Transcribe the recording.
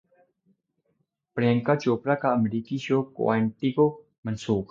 پریانکا چوپڑا کا امریکی show Quantico منسوخ